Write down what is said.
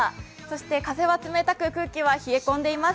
風は冷たく空気は冷え込んでいます。